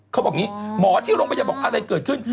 เขาบอกอย่างนี้หมอที่โรงพยาบาลบอกอะไรเกิดขึ้น